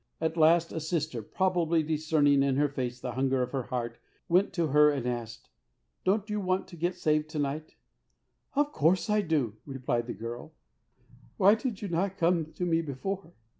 At last a sister, probably discerning in her face the hunger of her heart, went to her and asked, " Don't you want to get saved to night ?"" Of course I do," replied the girl ;" why did you not come to me before?"